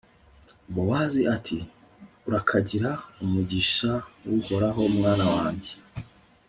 bowozi ati urakagira umugisha w'uhoraho, mwana wanjye